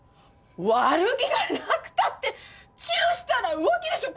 悪気がなくたってチューしたら浮気でしょう！